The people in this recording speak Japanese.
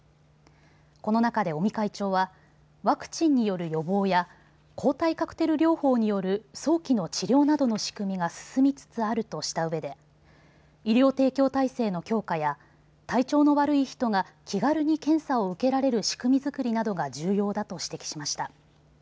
この中で尾身会長はワクチンによる予防や抗体カクテル療法による早期の治療などの仕組みが進みつつあるとしたうえで医療提供体制の強化や体調の悪い人が気軽に検査を受けられる仕組み作りなどが重要だと指摘しました。